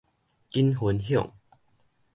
緊分享